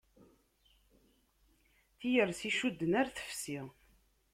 Tiyersi icudden ar tefsi.